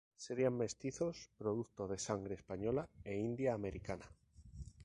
Serían mestizos producto de sangre española e india americana.